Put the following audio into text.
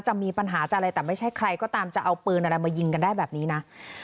จะมีปัญหาจะอะไรแต่ไม่ใช่ใครก็ตามจะเอาปืนอะไรมายิงกันได้แบบนี้นะ